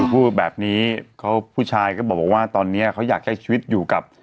พูดแบบนี้เขาผู้ชายก็บอกว่าตอนนี้เขาอยากใช้ชีวิตอยู่กับ